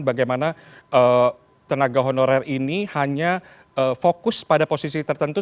bagaimana tenaga honorer ini hanya fokus pada posisi tertentu